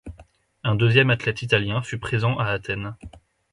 Un deuxième athlète italien fut présent à Athènes.